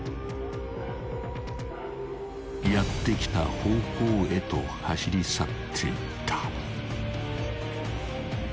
［やって来た方向へと走り去っていった］